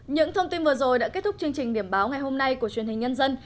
những thông tin vừa rồi đã kết thúc chương trình điểm báo ngày hôm nay của truyền hình nhân dân